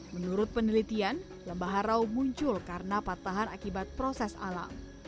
menurut penelitian lembah harau muncul karena patahan akibat proses alam